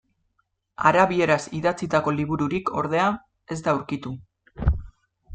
Arabieraz idatzitako libururik, ordea, ez da aurkitu.